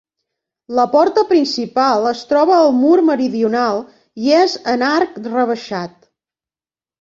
La porta principal es troba al mur meridional i és en arc rebaixat.